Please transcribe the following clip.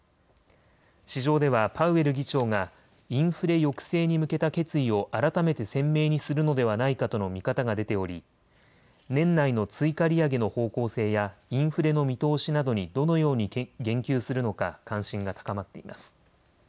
市場ではパウエル議長がインフレ抑制に向けた決意を改めて鮮明にするのではないかとの見方が出ており、年内の追加利上げの方向性やインフレの見通しなどにどのように言及するのか関心が高まっています。